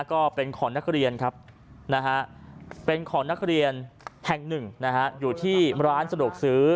ก็เป็นของนักเรียนครับนะฮะเป็นของนักเรียนแห่งหนึ่งอยู่ที่ร้านสะดวกซื้อ